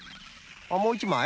もう１まい？